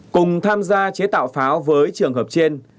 cùng tham gia chế tạo pháo với trường hợp trên